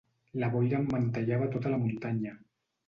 La boira emmantellava tota la muntanya.